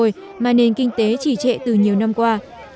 với các doanh nghiệp có thể trị trệ từ nhiều năm qua